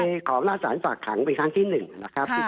ไปขอบราศาสนศักดิ์ขังไปทางที่๑นะครับ